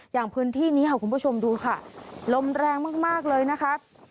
อย่างพื้นที่นี้ค่ะคุณผู้ชมดูค่ะลมแรงมากเลยนะคะ